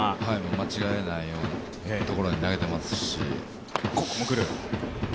間違いないようなところに投げていますし。